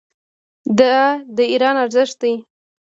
دا د ایران ارزښت دی.